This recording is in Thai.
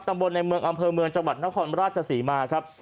ตำบลในเมืองอำเภอเมืองจังหวัดนครราชศรีมาครับ